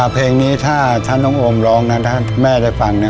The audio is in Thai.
เพลงนี้ถ้าน้องโอมร้องนะถ้าแม่ได้ฟังนะ